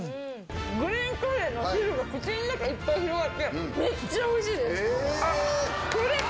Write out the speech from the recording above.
グリーンカレーの汁が口の中にいっぱい広がって、めっちゃおいしいです。